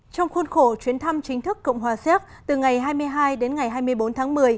trong khuôn khổ chuyến thăm chính thức cộng hòa xếp từ ngày hai mươi hai đến ngày hai mươi bốn tháng một mươi